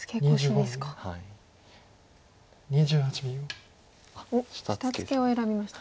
おっ下ツケを選びました。